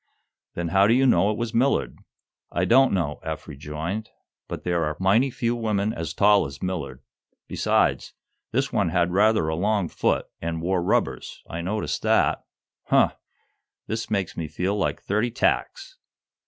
"Then how do you know it was Millard?" "I don't know," Eph rejoined. "But there are mighty few women as tall as Millard. Besides, this one had rather a long foot, and wore rubbers. I noticed that. Huh! This makes me feel like thirty tacks!"